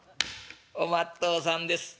「お待っ遠さんです。